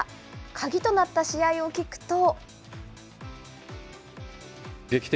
鍵となった試合を聞くと。